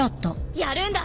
やるんだ！